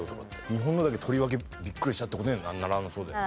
日本のだけとりわけビックリしたって事にはならなそうだよね。